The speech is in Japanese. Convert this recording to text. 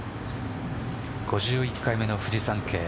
５１回目のフジサンケイ